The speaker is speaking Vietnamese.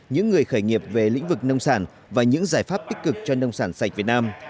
những người khởi nghiệp về lĩnh vực nông sản và những giải pháp tích cực cho nông sản sạch việt nam